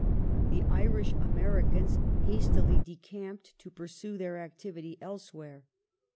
The Irish Americans hastily decamped to pursue their activity elsewhere.